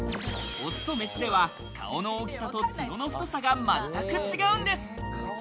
オスとメスでは、顔の大きさとツノの太さが全く違うんです。